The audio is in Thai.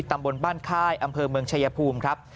ตำบลบ้านค่ายอำเภอเมืองชายภูมิครับ